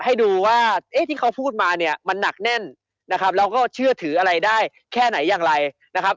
ให้ดูว่าเอ๊ะที่เขาพูดมาเนี่ยมันหนักแน่นนะครับเราก็เชื่อถืออะไรได้แค่ไหนอย่างไรนะครับ